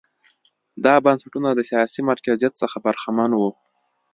دا بنسټونه له سیاسي مرکزیت څخه برخمن وو.